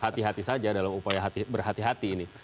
hati hati saja dalam upaya berhati hati ini